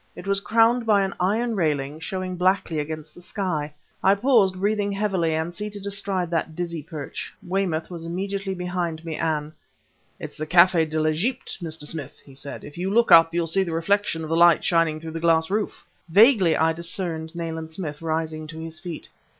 It was crowned by an iron railing, showing blackly against the sky. I paused, breathing heavily, and seated astride that dizzy perch. Weymouth was immediately behind me, and "It's the Café de l'Egypte, Mr. Smith!" he said, "If you'll look up, you'll see the reflection of the lights shining through the glass roof." Vaguely I discerned Nayland Smith rising to his feet.